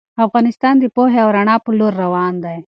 افغانستان د پوهې او رڼا په لور روان دی.